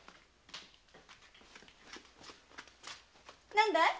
何だい？